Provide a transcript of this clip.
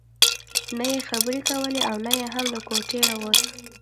نه يې خبرې کولې او نه هم له کوټې راوته.